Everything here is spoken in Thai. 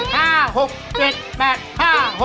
ว้าเฮ้ย